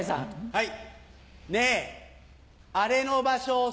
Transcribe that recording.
はい。